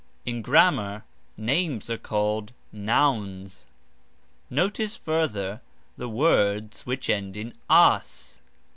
(In Grammar names are called NOUNS). Notice further the words which end in " as."